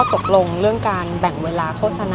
ตกลงเรื่องการแบ่งเวลาโฆษณา